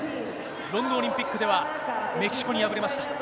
ロンドンオリンピックでは、メキシコに敗れました。